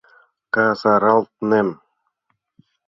Касаралтнем...